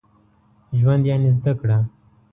ژوند يعني زده کړه.